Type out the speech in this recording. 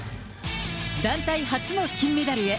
団体初の金メダルへ。